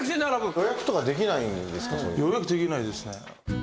予約できないですね。